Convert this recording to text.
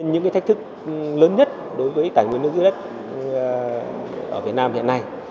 những cái thách thức lớn nhất đối với tài nguyên nước giữ đất ở việt nam hiện nay